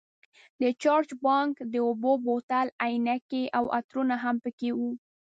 د چارج بانک، د اوبو بوتل، عینکې او عطرونه هم پکې وو.